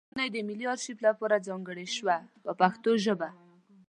دا ودانۍ د ملي ارشیف لپاره ځانګړې شوه په پښتو ژبه.